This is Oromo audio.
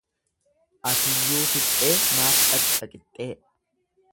Atiyyuu fixxee maaf dhaqxa qixxee?